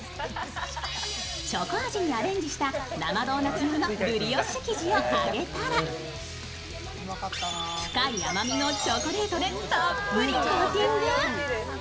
チョコ味にアレンジした生ドーナツ用のブリオッシュ生地を揚げたら深い甘みのチョコレートでたっぷりコーティング。